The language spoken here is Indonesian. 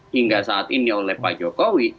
hingga saat ini oleh pak jokowi